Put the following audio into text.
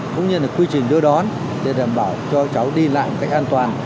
cũng như là quy trình đưa đón để đảm bảo cho cháu đi lại một cách an toàn